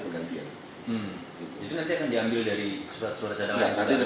itu nanti akan diambil dari surat suara cadang